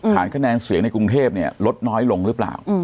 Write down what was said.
คะแนนเสียงในกรุงเทพลดน้อยลงหรือเปล่า